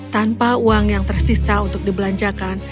tanpa uang yang tersisa untuk dibelanjakan